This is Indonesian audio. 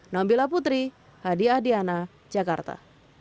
nabila putri hadiah diana jakarta